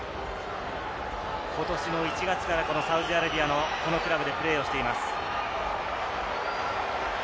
ことしの１月からサウジアラビアのこのクラブでプレーをしています。